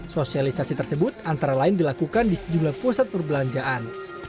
sosialisasi tersebut antara lain dilakukan di sejumlah pusat perbelanjaan